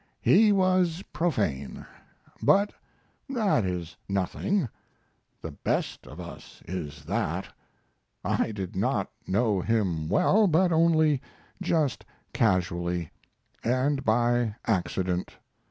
He was profane, but that is nothing; the best of us is that. I did not know him well, but only just casually, and by accident.